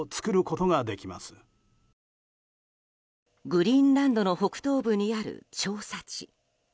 グリーンランドの北東部にある調査地。